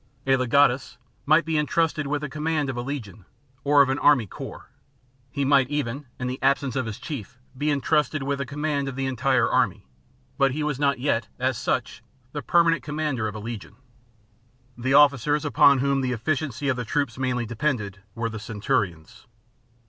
A legatus might be en trusted with the command of a legion or of an army corps ; he might even, in the absence of his chief, be entrusted with the command of the entire army. But he was not yet, as such, the per manent commander of a legion. The officers upon whom the efficiency of the troops mainly depended were the centurions.